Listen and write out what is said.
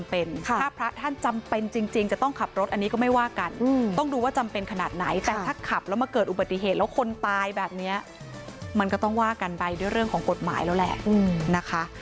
ถ้าพระท่านจำเป็นจริงจะต้องขับรถอันนี้ก็ไม่ว่ากันต้องดูว่าจำเป็นขนาดไหนแต่ถ้าขับแล้วมาเกิดอุบัติเหตุแล้วคนตายแบบนี้มันก็ต้องว่ากันไปด้วยเรื่องของกฎหมายแล้วแหละนะคะ